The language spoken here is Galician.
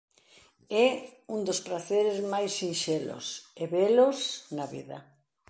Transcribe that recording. É un dos praceres máis sinxelos e belos na vida".